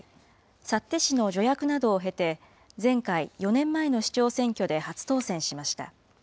幸手市の助役などを経て、前回・４年前の市長選挙で初当選しました。